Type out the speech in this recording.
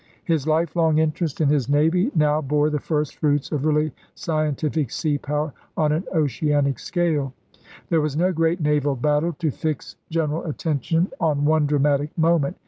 His lifelong interest in his navy now bore the first fruits of really scientific sea power on an oceanic scale. There was no great naval battle to fix general attention on one dramatic moment.